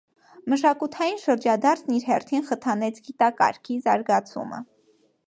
Մշակութային շրջադարձն իր հերթին խթանեց գիտակարգի զարգացումը։